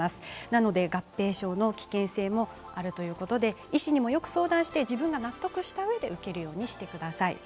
なので合併症の危険性もあるということで医師にもよく相談して自分が納得したうえで受けるようにしてください。